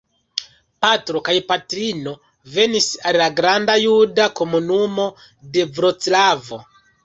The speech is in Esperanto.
Patro kaj patrino venis el la granda juda komunumo de Vroclavo.